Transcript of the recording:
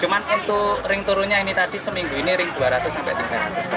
cuma untuk ring turunnya ini tadi seminggu ini ring dua ratus sampai tiga ratus